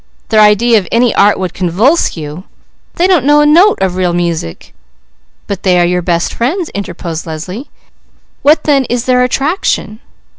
Their idea of any art would convulse you! They don't know a note of real music!" "But they are your best friends," interposed Leslie. "What then is their attraction?"